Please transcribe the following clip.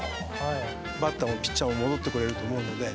バッターもピッチャーも戻ってこられると思うので。